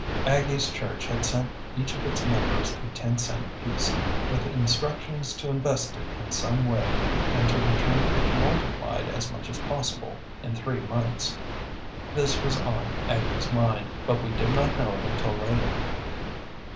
Aggie's church had sent each of its members a ten cent piece, with instructions to invest it in some way and to return it multiplied as much as possible in three months. This was on Aggie's mind, but we did not know it until later.